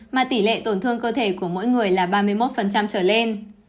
mà tỷ lệ tổn thương cơ thể của mỗi người là ba mươi một trở lên